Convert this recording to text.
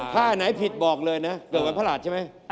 ถ้าอันไหนผิดบอกเลยนะเกิดวันพระหัสใช่ไหม